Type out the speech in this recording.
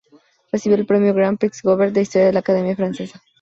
Recibió el premio "Grand Prix Gobert" de historia de la Academia francesa.